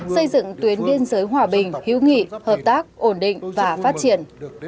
xây dựng tuyến biên giới hòa bình hữu nghị hợp tác ổn định và phát triển